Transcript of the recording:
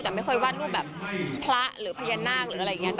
แต่ไม่ค่อยวาดรูปแบบพระหรือพญานาคหรืออะไรอย่างนี้